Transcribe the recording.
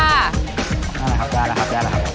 เอาแล้วครับได้แล้วครับได้แล้วครับ